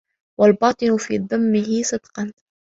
وَالْبَاطِنُ مِنْ ذَمِّهِ صِدْقًا